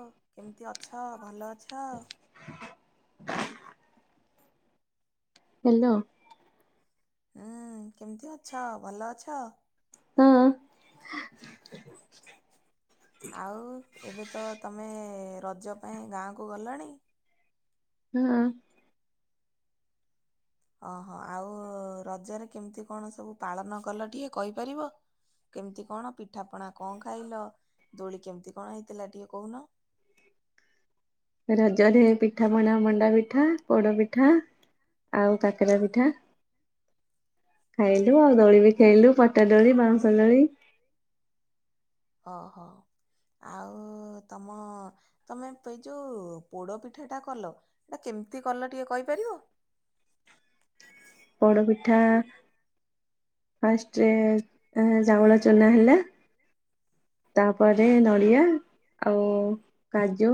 ହଉ କେମିତି ଅଛ, ଭଲ ଅଛ? ହ୍ୟାଲୋ। ଉଁ-ଉଁ-ଉଁ କେମିତି ଅଛ, ଭଲ ଅଛ? ହୁଁ। ଆଉ ଏବେ ତ ତମେଏ-ଏ ରଜ ପାଇଁ ଗାଆଁକୁ ଗଲଣି? ହୁଁ। ଓହୋଃ ଆଉ-ଉ-ଉ ରଜରେ କେମିତି କଣ ସବୁ ପାଳନ କଲ ଟିକେ କହିପାରିବ? କେମତି କଣ ପିଠାପଣା କଣ ଖାଇଲ ଦୋଳି କେମିତି କଣ ହେଇଥିଲା ଟିକେ କହୁନ? ରଜରେ ପିଠା ପଣା ମଣ୍ଡା ପିଠା, ପୋଡ ପିଠା। ଆଉ କାକେରା ପିଠା। ଖାଇଲୁ ଆଉ ଦୋଳି ବି ଖେଳିଲୁ ପଟା ଦୋଳି ବାଉଁଶ ଦୋଳି। ଓହୋଃ। ଆଉ-ଉ-ଉ ତମ ତମେ ଏଇ ଯୋଉ ପୋଡ ପିଠାଟା କଲ ସେଇଟା କେମ୍ କେମିତି କଲ ଟିକେ କହିପାରିବ? ପୋଡ଼ପିଠା ଫାଷ୍ଟରେ ଏଁ ଚାଉଳ ଚୁନା ହେଲା। ତାପରେ ନଡ଼ିଆ ଆଉ କାଜୁ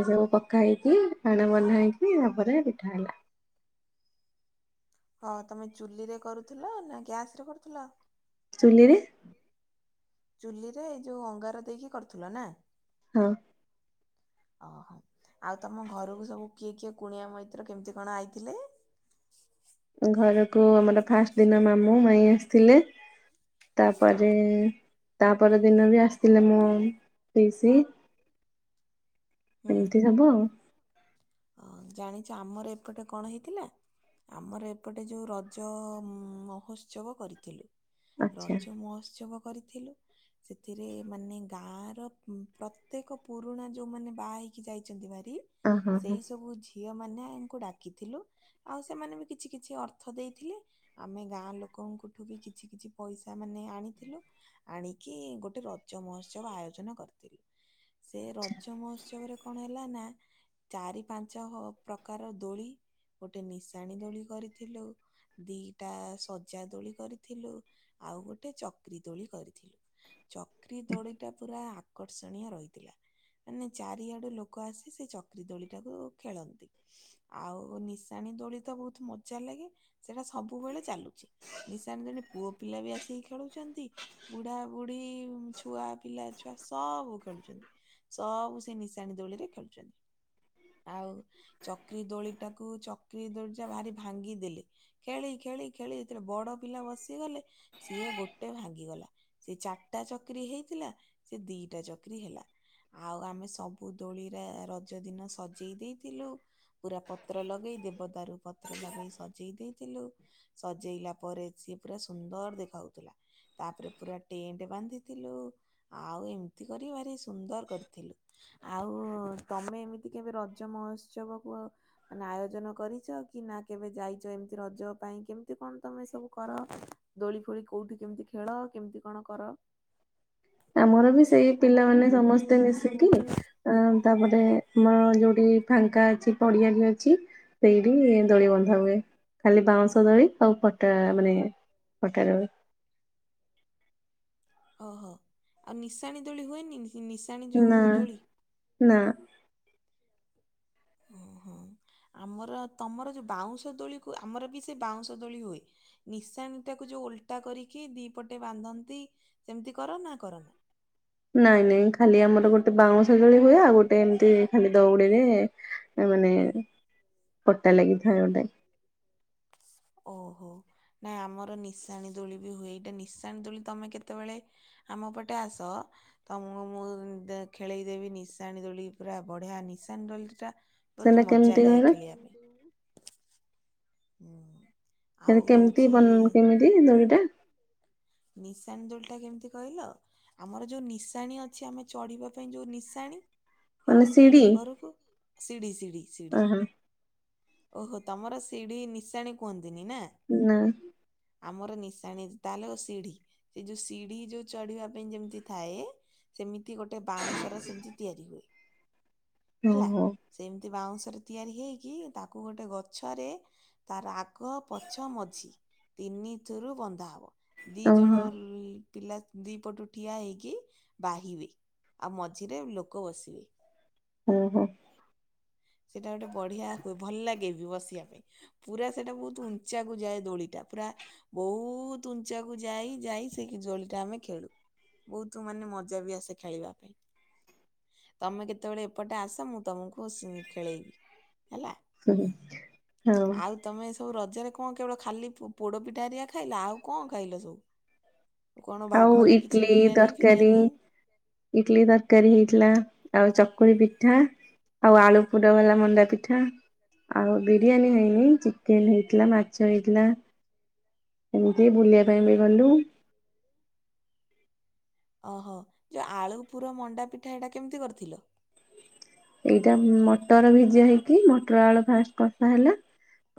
ଏସବୁ ପକା ହେଇକି ଆଣ ବନା ହେଇକି ତାପରେ ପିଠା ହେଲା। ହଁ ତମେ ଚୁଲିରେ କରୁଥିଲ ନା ଗ୍ୟାସରେ କରୁଥିଲ? ଚୁଲିରେ। ଚୁଲିରେ ଏଇ ଯୋଉ ଅଙ୍ଗାର ଦେଇକି କରୁଥିଲ ନା? ହୁଁ। ଓହୋଃ, ଆଉ ତମ ଘରକୁ ସବୁ କିଏ କିଏ କୁଣିଆ ମୈତ୍ର କେମିତି କଣ ଆଇଥିଲେ? ଘରକୁ ଆମର ଫାଷ୍ଟ ଦିନ ମାମୁଁ ମାଇଁ ଆସିଥିଲେ। ପାଇଁ ଆସିଥିଲେ ତାପରେ ତା ପରଦିନ ବି ଆସିଥିଲେ ମୋ ପିଇସୀ। ଏମିତି ସବୁ ଆଉ। ଆଉ ଜାଣିଛ ଆମର ଏପଟେ କଣ ହେଇଥିଲା? ଆମର ଏପଟେ ଯୋଉ ରଜଅ-ଅ ମହୋତ୍ସବ କରିଥିଲୁ। ଆଚ୍ଛା ରଜ ମହୋତ୍ସବ କରିଥିଲୁ। ସେଥିରେ ମାନେ ଗାଁଆର ପ୍ରତ୍ୟେକ ପୁରୁଣା ଯୋଉମାନେ ବାହା ହେଇକି ଯାଇଛନ୍ତି ଭାରି ଅ ହଁ ସେଇ ହଁ ସବୁ ଝିଅ ମାନଙ୍କୁ ଡାକିଥିଲୁ ଆଉ ସେମାନେ ବି କିଛି କିଛି ଅର୍ଥ ଦେଇଥିଲେ ଆମେ ଗାଁ ଲୋକଙ୍କୁ ଙ୍କଠୁ ବି କିଛି କିଛି ପଇସା ମାନେ ଆଣିଥିଲୁ, ଆଣିକି ଗୋଟେ ରଜ ମହୋତ୍ସବ ଆୟୋଜନ କରିଥିଲୁ ସେ ରଜ ମହୋତ୍ସବରେ କଣ ହେଲା ନା ଚାରି ପାଞ୍ଚ ପ୍ରକାରର ଦୋଳି ଗୋଟେ ନିଶାଣି ଦୋଳି କରିଥିଲୁ। ଦିଟା ସଜା ଦୋଳି କରିଥିଲୁ ଆଉ ଗୋଟେ ଚକ୍ରି ଦୋଳି କରିଥିଲୁ। ଚକ୍ରି ଦୋଳିଟା ପୁରା ଆକ୍ ଆକର୍ଷଣୀୟ ରହିଥିଲା ମାନେ ଚାରିଆଡୁ ଲୋକ ଆସି ସେ ଚକ୍ ଦୋଳି ଟାକୁ ଖେଳନ୍ତି। ଆଉ ନିଶାଣି ଦୋଳି ତ ବହୁତ ମଜା ଲାଗେ। ସେଟା ସବୁବେଳେ ଚାଲୁଚି। ନିଶାଣି ଦୋଳି ପୁଅ ପିଲା ବି ଆସିକି ଖେଳୁଛନ୍ତି। ବୁଢାବୁଢୀ ଛୁଆ ପିଲା ଛୁଆ ସବୁ ଖେଳୁଛନ୍ତି। ସବୁ ସେ ନିଶାଣି ଦୋଳିରେ ଖେଳୁଛନ୍ତି। ଆଉ ଚକ୍ରି ଦୋଳି ଟାକୁ ଚକ୍ରି ଦୋଳି ଟା ଭାରି ଭାଙ୍ଗିଦେଲେ। ଖେଳି ଖେଳି ଖେଳି ସେଥିରେ ବଡ ପିଲା ବସିଗଲେ ସିଏ ଗୋଟେ ଭାଙ୍ଗିଗଲା ସେ ଚାରିଟା ଚକ୍ରି ହେଇଥିଲା ସେ ଦିଟା ଚକ୍ରି ହେଲା। ଆଉ ଆମେ ସବୁ ଦୋଳିରେ ର ରଜ ଦିନ ସଜେଇ ଦେଇଥିଲୁ। ପୁରା ପତ୍ର ଲଗେଇ ଦେବଦାରୁ ପତ୍ର ଲଗେଇ ସଜେଇ ଦେଇଥିଲୁ। ଥିଲୁ। ସଜେଇଲା ପରେ ସିଏ ପୁରା ସୁନ୍ଦର ଦେଖାଉଥିଲା। ତାପରେ ପୁରା ଟେଣ୍ଟ ବାନ୍ଧି ଥିଲୁ। ଆଉ ଏମିତି କରି କି ଭାରି ସୁନ୍ଦର କରିଥିଲୁ। ଆଉ ତମେ ଏମିତି କେବେ ରଜ ମହୋତ୍ସବକୁ ମାନେ ଆୟୋଜନ କରିଛ କି ନା କେବେ ଯାଇଛ ଏମତି? ରଜ ପାଇଁ କେମିତି କଣ ତମେ ସବୁ କର? ଦୋଳି ଫୋଳି କୋଉଠି କେମିତି ଖେଳ? କେମିତି କଣ କର? [inaudible] ଆମର ବି ସେଇ ଆମର ବି ପିଲାମାନେ ସେଇ ସମସ୍ତେ ପିଲାମାନେ ମିଶିକି ସମସ୍ତେ ମି ଅ ତାପରେ ଆମର ଯୋଉଠି ଫାଙ୍କା ଅଛି ପଡିଆ ବି ଅଛି ସେଇଠି ଦୋଳି ବନ୍ଧା ହୁଏ। ଖାଲି ବାଉଁଶ ଦୋଳି ଆଉ ପଟା ମାନେ ପଟା ଦୋଳି। [inaudible] ଓହୋ। ଆଉ ନିଶାଣି ଦୋଳି ହୁଏନି। ନିଶାଣି ନା ଯୋଉ ଦୋଳି ନା ହୁଁ ହୁଁ ଆମ ଆମର ତମର ଯୋଉ ବାଉଁଶ ଦୋଳି କୁ ଆମର ବି ସେ ବାଉଁଶ ଦୋଳି ହୁଏ। ନିଶାଣିଟାକୁ ଯୋଉ ଓଲଟା ଓଲଟା କରିକି ଦି ପଟେ ବାନ୍ଧନ୍ତି ସେମିତି କର ନା କରନି? ନାଇଁ ନାଇଁ ଖାଲି ଆମର ଗୋଟେ ବାଉଁଶଦୋଳି ହୁଏ। ଆଉ ଗୋଟେ ଏମିତି ଖାଲି ଦଉଡିରେ ମାନେ ପଟା ଲାଗିଥାଏ ଗୋଟେ। ଓହୋ। ନାଇଁ ଆମର ନିଶାଣି ଦୋଳି ବି ହୁଏ। ଏଇଟା ନିଶାଣି ଦୋଳି ତମେ କେତେବେଳେ ଆମ ପଟେ ଆସ। ତମକୁ ମୁଁ ଖେଳେଇ ଦେବି ନିଶାଣି ଦୋଳି ପୁରା ବଢିଆ ନିଶ ନିଶାଣି ଦୋଳି ଟା ସେଟା ବହୁତ ମଜା କେମିତି ଲାଗେ କହିଲ ଖେଳିବା ପାଇଁ। ହୁଁ। ଆଉ ମାନେ କେମିତି ବନ୍ ହଉଛି କେମିତି ଦୋଳି ଟା? ନିଶାଣି ଦୋଳିଟା କେମିତି କହିଲ ଆମର ଯୋଉ ନିଶାଣି ଅଛି ଆମେ ଚଢିବା ପାଇଁ ଯୋଉ ନିଶାଣି ମାନେ ହେଲା। ସିଡି ଘରକୁ ସିଢ଼ି ସିଢ଼ି ସିଢ଼ି। ଓହୋ ଓହୋ ତମର ସିଢି ନିଶାଣି କୁହନ୍ତିନି ନା। ନା ଆମର ନିଶାଣି ତାହେଲେ ସିଢି ଏ ଯୋଉ ସିଢି ଯୋଉ ଚଢିବା ପାଇଁ ଯେମିତି ଥାଏ ସେମିତି ଏମିତି ଗୋଟେ ବାଉଁଶ ର ସେମିତି ତିଆରି ହୁଏ। ହେଲା। ଓହୋ ସେମିତି ବାଉଁଶ ରେ ତିଆରି ହେଇକି ତାକୁ ଗୋଟେ ଗଛରେ ତାର ଆଗ, ପଛ, ମଝି ତିନିଥୁରୁ ବନ୍ଧା ହବ। ଦି ଜଣ ଓହୋ ଲୋ ପିଲା ଦି ପଟୁ ଠିଆ ହେଇକି ବାହିବେ। ଆଉ ମଝିରେ ଲୋକ ବସିବେ। ଓ ହୋ। ସେଇଟା ଗୋଟେ ବଢିଆ ହୁଏ ଭଲ ଲାଗେ ବି ବସିବା ପାଇଁ। ପୁରା ସେଇଟା ବହୁତ ଉଞ୍ଚାକୁ ଯାଏ ଦୋଳିଟା। ପୁରା ବହୁତ ଉଞ୍ଚାକୁ ଯାଇ ଯାଇ ସେଇ ଦୋଳି ଟା ଆମେ ଖେଳୁ। ବହୁତ ମାନେ ମଜା ବି ଆସେ ଖେଳିବା ପାଇଁ। ତମେ କେତେବେଳେ ଏପଟେ ଆସ ମୁଁ ତମକୁ ଖେଳେଇବି। ହେଲା। [unintelligible] ହଁ। ଆଉ ତମେ ସବୁ ରଜରେ କଣ କେବଳ ଖାଲି ପୋଡପିଠା ହେରିଆ ଖାଇଲ। ଆଉ କଣ ଖାଇଲ ସବୁ? କଣ ବା- ଆଉ ଘରେ କିଛି ଇଟଲି ବିରିୟାନୀ ତରକାରୀ ଫିରିୟାନୀ ଇଟଲି ତରକାରୀ ହେଇଥିଲା। ଆଉ ଚକୁଳି ପିଠା। ଆଉ ଆଳୁ ପୁର ବାଲା ମଣ୍ଡା ପିଠା। ଆଉ ବିରିୟାନୀ ହେଇନି। ଚିକେନ ହେଇଥିଲା, ମାଛ ହେଇଥିଲା। ଏମିତି ବୁଲିବା ପାଇଁ ବି ଗଲୁ। ଓହୋ ଯୋଉ ଆଳୁ ପୁର ମଣ୍ଡା ପିଠା ଏଇଟା କେମିତି କରିଥିଲ? ଏଇଟା ଏଇଟା ମଟର ଭିଜା ହେଇକି, ମସଲା ମଟର ଭିଜା ଆଳୁ ହେଇଛି ଫାଷ୍ଟ କଷା ହେଲା। ମସଲା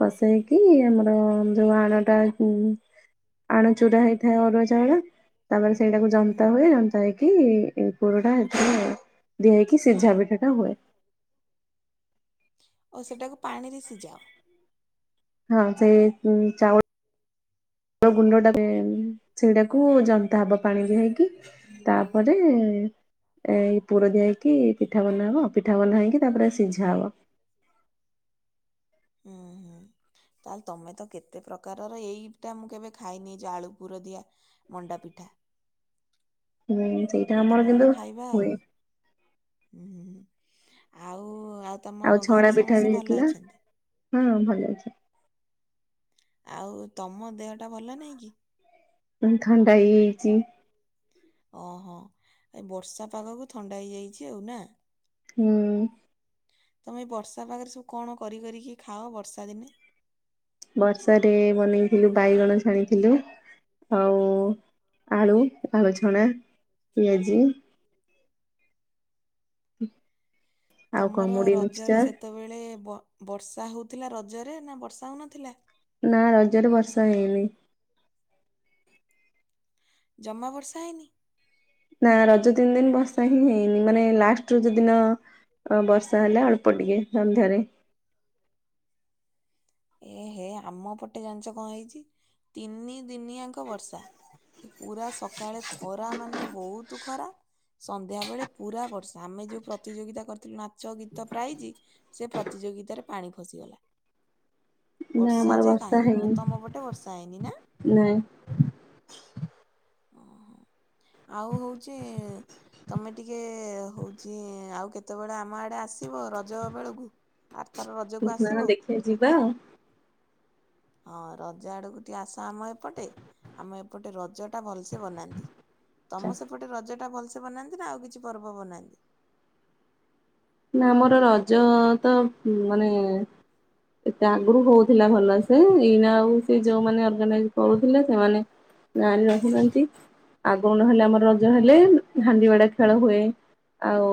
କସେଇକି ଆମର ଯୋଉ ଗୁଡା ଆଣଟା ଫାଷ୍ଟ କଷା ହେଲା କଷେଇକି ଆମର ଅଦାଟା ପାଣି ଆଣ ଚୁରା ହେଇଥାଏ ଅରୁଆ ସୁୁଧା ଚାଉଳ ହେଇଥାଏ ଅଦା ଚାଉଳ ତା ତାପରେ ସେଇଟାକୁ ଜନ୍ତା ହୁଏ, ଜନ୍ତା ହେଇକି ଦରକାର ହୁଏ ପୁର ଟା ଦରକାରକି ଏଥିରେ ସେଇ ପୁରଟା ଦିଆ ହେଇକି ସେଥିରେ ସିଝା ପିଠା ଟା ପୁରେଇକି ହୁଏ। ସିଝା ପିଠାଟା ହୁଏ। ଓ ସେଟାକୁ ପାଣିରେ ସିଝାଅ? ହଁ ସେ ସେଇ ଚାଉଳ [inaudible] ଗୁଣ୍ଡ ଟା ଗୁଣ୍ଡଟାକୁ ତାପରେ ସେଟାକୁ ଜନ୍ତାକ ପାଣି ଦେଇକି ସେଇଟାକୁ ଜନ୍ତା ହବ ତାପରେ ଏ ପୁର ପାଣିରେ ଦେଇକି ହେଇକି ପିଠା ବନାହବ ପିଠା ବନାହେଇକି ତାପରେ ଏ ପୁର ଦିଆ ହେଇକି ପିଠା ବନା ହବ, ପିଠା ବନା ହେଇକି ତାପରେ ସିଝା ହବ। ହୁଁ ହୁଁ। ତାହେଲେ ତମେ ତ କେତେ ପ୍ରକାରର ଏଇଟା ମୁଁ କେବେ ଖାଇନି ଯୋଉ ଆଳୁ ପୁର ଦିଆ ମଣ୍ଡା ପିଠା। ହୁଁ, ସେଇଟା ଆମର କୋଉଦିନ ଗୋଟେ କିନ୍ତୁ ଖାଇବା ଆଉ। ହୁଏ। ହୁଁ ହୁଁ ହୁଁ ଆଉ ତମ ଆଉ ଛଣା ଘରେ ପିଠା ସମସ୍ତେ ବି ଭଲ ହେଇଥିଲା, ଅଛନ୍ତି? ହଁ ଭଲ ଅଛି। ଆଉ ତମ ଦେହଟା ଭଲ ନାଇଁ କି? ଥଣ୍ଡା ହେଇଯାଇଛି। ଓହୋ ଏ ବର୍ଷା ପାଗକୁ ଥଣ୍ଡା ହେଇଯାଇଛି ଆଉ ନା? ହୁଁ। ତମେ ଏଇ ବର୍ଷା ପାଗରେ ସବୁ କଣ କରି କରିକି ଖାଅ ବର୍ଷା ଦିନେ? ବର୍ଷାରେ ବନେଇଥିଲୁ ବାଇଗଣ ଛାଣିଥିଲୁ। ଆଉ ଆଳୁ ଆଳୁ ଛଣା, ପିଆଜି। [inaudible] ତମର କମୁଡି ରଜରେ ମିକ୍ସଚର ସେତେବେଳେ ବର୍ଷା ହଉଥିଲା ରଜରେ ନା ବର୍ଷା ହଉନଥିଲା? ନା ରଜରେ ବର୍ଷା ହେଇନି। ଜମା ବର୍ଷା ହେଇନି? ନା ରଜ ତିନି ଦିନ ବର୍ଷା ହିଁ ହେଇନି। ମାନେ ଲାଷ୍ଟ ରଜ ଦିନ ଅ ବର୍ଷା ହେଲା ଅଳ୍ପ ଟିକେ ସନ୍ଧ୍ୟାରେ। [inaudible] ଏହେ ଆମ ପଟେ ଜାଣିଛ କଣ ହେଇଛି ତିନି ଦିନିଆଙ୍କ ବର୍ଷା। ପୁରା ସକାଳେ ଖରା ମାନେ ବହୁତ ଖରା। ସନ୍ଧ୍ୟା ବେଳେ ପୁରା ବର୍ଷା। ଆମେ ଯୋଉ ପ୍ରତିଯୋଗିତା କରିଥିଲୁ ନା ଚ ଗୀତ ପ୍ରାଇଜି ସେ ପ୍ରତିଯୋଗିତାରେ ପାଣି ଫସିଗଲା। ନା ବର୍ଷା ଆମର ଯେ କାହିଁରେ କଣ, ହେଇନି ତମ ପଟେ ବର୍ଷା ହେଇନି ନା? ନାଇଁ। ଓହୋ ଆଉ ହଉଛି ତମେ ଟିକେ ହଉଛି ଆଉ କେତେବେଳେ ଆମ ଆଡେ ଆସିବ ରଜ ବେଳକୁ? ଆରଥର [unintelligible] ରଜକୁ ଆସିବ ଦେଖିବା ଯିବା ଆଉ। ହଁ ରଜା ଆଡକୁ ଟିକେ ଆସ ଆମ ଏପଟେ ଆମ ଏପଟେ ରଜ ଟା ଭଲସ ସେ ବନାନ୍ତି। ତମ ସେପଟେ ରଜ ଟା ଭଲ ବନାନ୍ତି ନା ଆଉ କିଛି ପର୍ବ ବନାନ୍ତି? ନା ଆମର ରଜ ତ ମାନେ ଏତେ ଆଗରୁ ହଉଥିଲା ମାନେ ଆଗରୁ ଭଲ ସେ ହଉଥିଲା ଭଲସେ ଏଇନା ଆଉ ସେ ଆଉ ଯୋଉମାନେ ସେ ଅର୍ଗାନାଇଜ ଯୋଉମାନେ କରୁଥିଲେ ସେମାନେ ଆପଣମାନେ ନାଁରେ କହୁଥିଲେ ରହିନାହାନ୍ତି ଆଗ ନ ହେଲେ ଆମର ସେମାନେ ରଜ ଜାଣିନଥାନ୍ତି ହେଲେ ଆଗ ହେଲା ହାଣ୍ଡି ବାଡ଼ା ଖେଳ ଆମର ହୁଏ। ଆଉ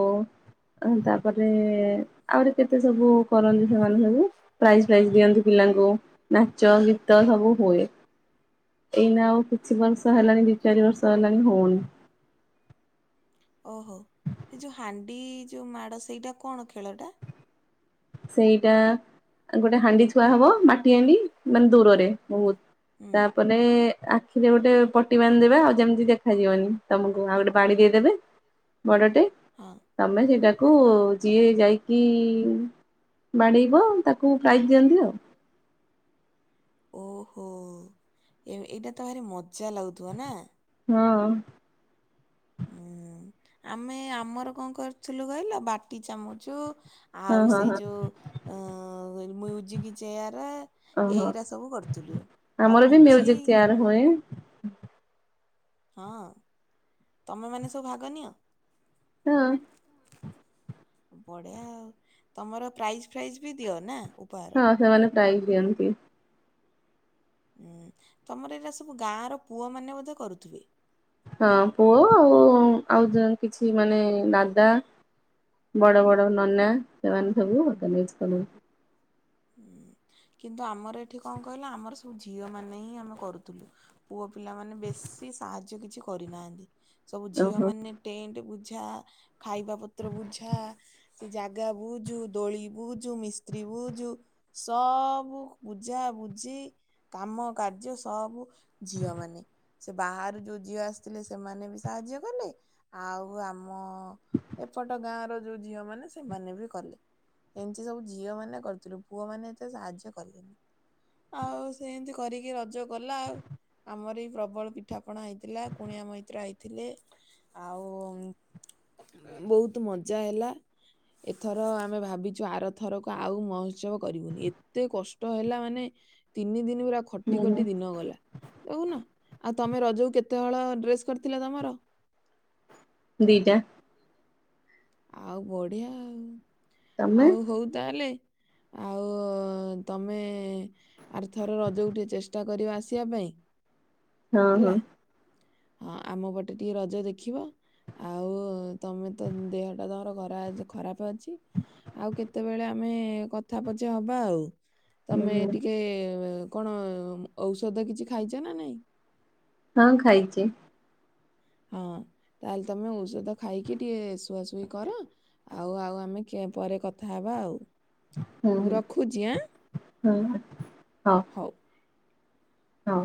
ତାପରେ ଆହୁରି କେତେ ସବୁ କରନ୍ତି ରଜରେ ସେମାନେ ସବୁ ପ୍ରାଇଜ ପ୍ରାଇଜ ହାଣ୍ଡିଗୁଡ଼ା ଖେଳ ହୁଏ ଆଉ ଦିଅନ୍ତି ତାପରେ ଆହୁରି କେତେ ସବୁ କରନ୍ତି ଖେଳ ହୁଏ ପ୍ରାଇଜ୍ ଫ୍ରାଇଜ୍ ପିଲାଙ୍କୁ ଦିଅନ୍ତି ପିଲାଙ୍କୁ ନାଚ ଗୀତ ନାଚ ସବୁ ଗୀତ ହୁଏ। ସବୁ ହୁଏ। ଏଇ ନା ଆଉ କିଛି ବର୍ଷ ହେଲାଣି ଦୁଇ ଚାରି ବର୍ଷ ହେଲାଣି ହଉନି। ଓହୋ ସେ ଯୋଉ ହାଣ୍ଡି ଯୋଉ ମାଡ ସେଇଟା କଣ ଖେଳଟା? ସେଇଟା ଗୋଟେ ହାଣ୍ଡି ଥୁଆ ହବ ମାଟି ହାଣ୍ଡି ମାନେ ଦୂରରେ ବହୁତ। ହୁଁ ତାପରେ ଆଖିରେ ଗୋଟେ ପଟି ବାନ୍ଦେବେ ଆଉ ଯେମିତି ଦେଖାଯିବନି ତମକୁ ଆଉ ଗୋଟେ ବାଡି ଦେଇଦେବେ। ବଡଟେ ହଁ। ତମେ ସେଇଟାକୁ ଯିଏ ଯାଇକି ବାଡ଼େଇବ ତାକୁ ପ୍ରାଇଜ ଦିଅନ୍ତି ଆଉ। ଓହୋ ଏ ଏଇଟା ତ ଭାରି ମଜା ଲାଗୁଥିବ ନା। [inaudible] ହୁଁ ଆମେ ଆମର କଣ କରିଥିଲୁ କହିଲା ବାଟି ଚାମୁଚୁ। ହଁ ଆଉ ହଁ ସେଇ ହଁ ଯୋଉ ଅ ମଜିକି ଚେୟାର। ଓହୋ ଏଇଗୁରା ସବୁ କରୁଥିଲୁ ଆଉ ଆମର ବି ପୁଚି ମ୍ୟୁଜିକ ଚିଆର ହୁଏ। ହଁ ତମେ ମାନେ ସବୁ ଭାଗ ନିିଅ? ହଁ। ବଢିଆ ଆଉ ତମର ପ୍ରାଇଜ ଫାଇଜ ବି ଦିଅ ନା? ଉପହାର ହଁ ସେମାନେ ପ୍ରାଇଜ ଦିଅନ୍ତି। ହୁଁ ତମର ଏଇଟା ସବୁ ଗାଁ ର ପୁଅ ମାନେ ବୋଧେ କରୁଥିବେ? ହଁ ପୁଅ ହଁ ଆଉ ପୁଅ ପୁଅ ଆଉ କିଛି ମାନେ ଆଉ ଦାଦା। କିଛି ମାନେ ବଡ ଦାଦା ବଡ ନନା ବଡ଼ ବଡ଼ ନନା ସେମାନେ ଥିଲେ। ସବୁ। [unintelligible] ହୁଁ। କିନ୍ତୁ ଆମର ଏଠି କଣ କହିଲ ଆମର ସବୁ ଝିଅ ମାନେ ହିଁ ଆମେ କରୁଥିଲୁ ପୁଅ ପିଲା ମାନେ ବେଶୀ ସିଏ ସାହାଯ୍ୟ କିଛି କରିନାହାନ୍ତି ସବୁ ଝିଅ ଓହୋ ମାନେ ଟେଣ୍ଡ ବୁ ବୁଝା ଖାଇବା ପତ୍ର ବୁଝା, ସେ ଜାଗା ବୁଝୁ, ଦୋଳି ବୁଝୁ, ମିସ୍ତ୍ରୀୁ ବୁଝୁ। ସବୁ ବୁଝା ବୁଝି କାମ କାର୍ଯ୍ୟ ସବୁ ଝିଅ ମାନେ। ସେ ବାହାରୁ ଯୋଉ ଝିଅ ଆସିଥିଲେ ସେମାନେ ବି ସାହାଯ୍ୟ କଲେ ଆଉ ଆମ ଏପଟ ଗାଁ ର ଯୋଉ ଝିଅ ମାନେ ସେମାନେ ବି କଲେ ଏମିତି ସବୁ ଝିଅ ମାନେ କରିଥିଲୁ। ପୁଅ ମାନେ ଏତେ ସାହାଯ୍ୟ କଲେନି ଆଉ ସେମିତି କରିକି ରଜ ଗଲା ଆଉ। ଆମର ଏଇ ପ୍ରବଳ ପିଠାପଣା ହେଇଥିଲା କୁଣିଆ ମଇତ୍ର ଆଇଥିଲେ। ଆଉ ବହୁତ ମଜା ହେଲା ଏଥର ଆମେ ଭାବିଛୁ ଆରଥରକୁ ଆଉ ମ ଶ୍ରମ କରିବୁନି ଏତେ କଷ୍ଟ ହେଲା ମାନେ ତିନି ଦନ ପୁରା ଖଟି ହୁଁ ହୁଁ ଖଟି ଦିନ ଗଲା ଦେଖୁନ। ଆଉ ତମେ ରଜକୁ କେତେ ହଳ ଡ୍ରେସ କରିଥିଲ ତମର? ଦିଟା। ଆଉ ବଢିଆ ଆଉ ତମେ ଆଉ ହଉ ତାହେଲେ ଆଉ ଅ ତମେ ଆରର୍ଥର ରଜକୁ ଟିକେ ଚେଷ୍ଟା କରିବ ଆସିବା ପାଇଁ। ହଁ ହେଲା ହଁ। ହଁ ଆମ ପଟେ ଟିକେ ରଜ ଦେଖିବ। ଆଉ ତମେ ତ ଦେହ ଟା ତମର ଖରା ଆଜି ଖରାପ। ଅଛି ଆଉ କେତେବେଳେ ଆମେ କଥା ପଛ ହବା ଆଉ। ତମେ ଟିକେ କଣ ଔଷଧ କିଛି ଖାଇଛ ନା ନାଇଁ? ହଁ ଖାଇଚି। ହଁ ତାହେଲେ ତମେ ଔଷଧ ଖାଇକି ଟିକେ ଶୁଆସୁଇ କର ଆଉ, ଆଉ ଆମେ ପରେ କଥା ହେବା ଆଉ। ହଁ ମୁଁ ରଖୁଛି ଆଁ ହଁ ହଁ ହଉ। ହଉ।